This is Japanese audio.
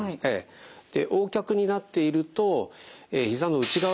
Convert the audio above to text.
でＯ脚になっているとひざの内側ですね